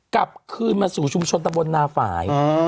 กลับคืนมาสู่ชุมชนตะบนนาฝ่าย